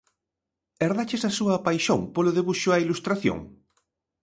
Herdaches a súa paixón polo debuxo e a ilustración?